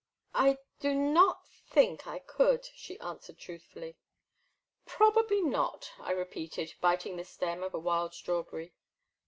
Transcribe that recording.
I do not think I could,'* she answered truth fully. Probably not,*' I repeated, biting the stem of a wild strawberry.